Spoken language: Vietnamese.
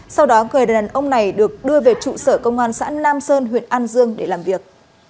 sau đó người đàn ông này được đưa về trụ sở công an xã nam sơn huyện an dương để làm việc